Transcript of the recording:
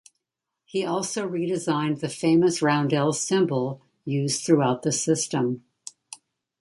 He also redesigned the famous roundel symbol used throughout the system.